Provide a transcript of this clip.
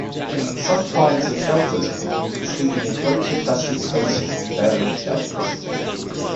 Some clients of shelters have reported sleeping in roach-infested spaces at various shelters.